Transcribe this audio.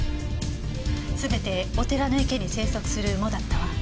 全てお寺の池に生息する藻だったわ。